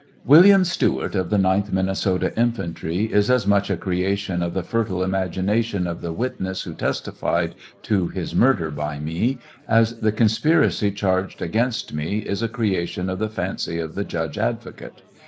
" Wm. Stewart of the 9th Minnesota infantry" is as much a creation of the fertile imagination of the witness who testified to his murder by me, as the conspiracy charged against me is a creation of the fancy of the judge advocate.